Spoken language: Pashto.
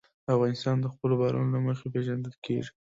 افغانستان د خپلو بارانونو له مخې پېژندل کېږي.